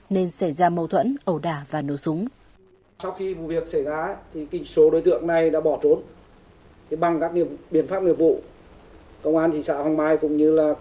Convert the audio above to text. nên xảy ra mâu thuẫn ẩu đả và nổ súng